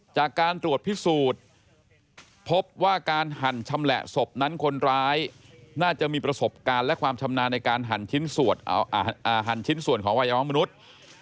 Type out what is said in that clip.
จากการตรวจพิสูจน์พบว่าการหั่นชำแหละศพนั้นคนร้ายน่าจะมีประสบการณ์และความชำนาญในการหั่นชิ้นส่วนของวัยวะมนุษย์